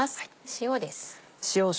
塩です。